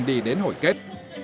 đến hồi kết